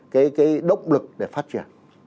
cái động lực để phát triển